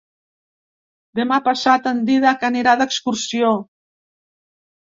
Demà passat en Dídac anirà d'excursió.